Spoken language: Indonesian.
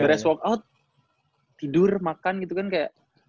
beres walk out tidur makan gitu kan kayak